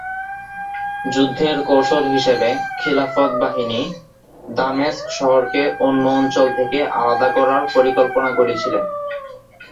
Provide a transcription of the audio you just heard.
যুদ্ধের কৌশল হিসেবে, খিলাফত বাহিনী দামেস্ক শহরকে অন্য অঞ্চল থেকে আলাদা করার পরিকল্পনা করেছিলেন।